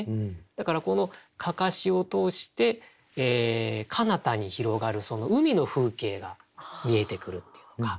だからこの案山子を通してかなたに広がる海の風景が見えてくるっていうのか。